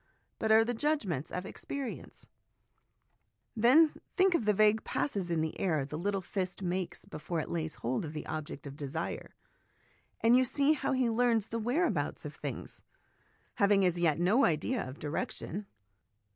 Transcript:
but are the judgments of experience. 5 66 HOME EDUCATION Then, think of the vague passes in the air the little fist makes before it lays hold of the object of desire, and you see how he learns the whereabouts of things, having as yet no idea of direction.